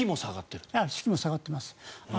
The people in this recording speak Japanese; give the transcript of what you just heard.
士気も下がってます。